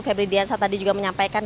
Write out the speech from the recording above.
febri dian saya tadi juga menyampaikan